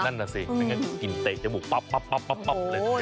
นั่นแหละสิกลิ่นเตะจมูกปั๊บเลย